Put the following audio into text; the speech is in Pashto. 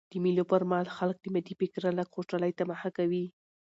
د مېلو پر مهال خلک له مادي فکره لږ خوشحالۍ ته مخه کوي.